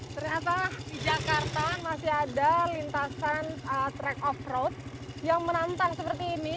ternyata di jakarta masih ada lintasan track off road yang menantang seperti ini